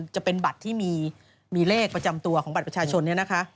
จะเป็นบัตรที่มีเลขประจำตัวของบัตรประชาชนเนี่ยนะคะ